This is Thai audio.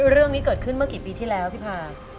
เรื่องนี้เกิดขึ้นเมื่อกี่ปีที่แล้วพี่พา